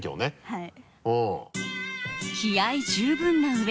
はい。